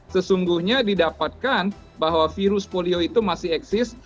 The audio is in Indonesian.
sesungguhnya didapatkan bahwa virus polio itu masih eksis